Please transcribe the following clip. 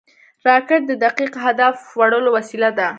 راکټ د دقیق هدف وړلو وسیله ده